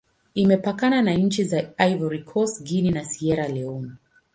Imepakana na nchi za Ivory Coast, Guinea, na Sierra Leone.